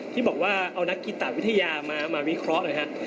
ที่บอกว่าเอานักกีตาวิทยามาวิเคราะห์